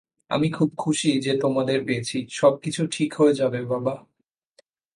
আমি খুব খুশি যে তোমাদের পেয়েছি সব কিছু ঠিক হয়ে যাবে বাবা।